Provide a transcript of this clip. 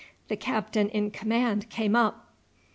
The captain in command came up.